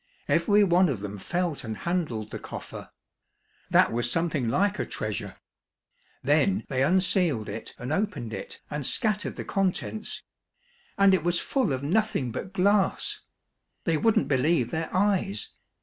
Every one of them felt and handled the coffer. That was something like a treasure ! Then they unsealed it and opened it and scattered the contents — and it was full of nothing but glass ! They wouldn't believe their eyes.